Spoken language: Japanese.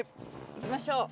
いきましょう。